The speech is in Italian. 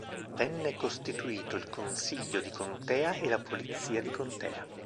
Venne costituito il consiglio di contea e la polizia di contea.